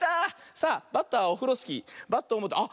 さあバッターオフロスキーバットをもってあっ